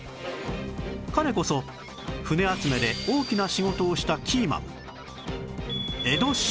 彼こそ舟集めで大きな仕事をしたキーマン